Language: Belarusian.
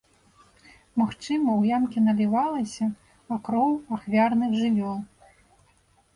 Магчыма, у ямкі налівалася а кроў ахвярных жывёл.